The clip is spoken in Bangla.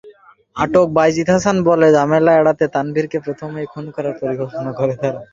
আটক বাইজিদ হাসান বলে, ঝামেলা এড়াতে তানভিরকে প্রথমেই খুন করার পরিকল্পনা করে তারা।